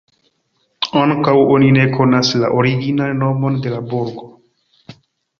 Ankaŭ oni ne konas la originan nomon de la burgo.